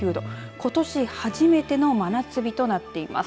ことし初めての真夏日となっています。